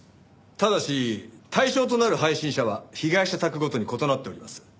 ただし対象となる配信者は被害者宅ごとに異なっております。